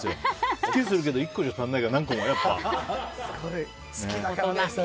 スッキリするけど１個じゃ足りないから何個も。